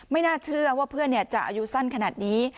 ไม่น่าเชื่อว่าเพื่อนจะอายุสั้นขนาดนี้